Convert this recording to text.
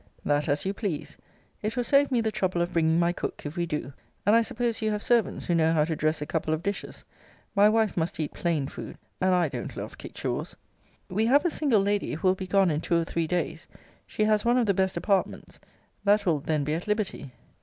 That as you please. It will save me the trouble of bringing my cook, if we do. And I suppose you have servants who know how to dress a couple of dishes. My wife must eat plain food, and I don't love kickshaws. We have a single lady, who will be gone in two or three days. She has one of the best apartments: that will then be at liberty.